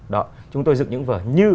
đó chúng tôi dựng những vở như